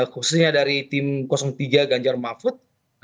khususnya dari tim tiga ganjar mafud